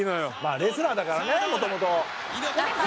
「レスラーだからねもともと」